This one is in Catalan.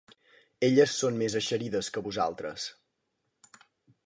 Elles són més eixerides que vosaltres.